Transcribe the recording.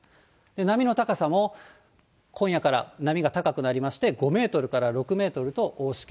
波の高さも、今夜から波が高くなりまして、５メートルから６メートルと大しけ。